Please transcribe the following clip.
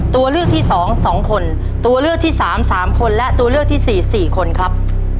ตัวเลือกที่สองสองคนตัวเลือกที่สามสามคนและตัวเลือกที่สี่สี่คนครับ